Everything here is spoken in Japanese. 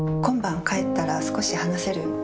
今晩、帰ったら少し話せる？